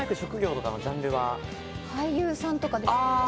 俳優さんとかですかね？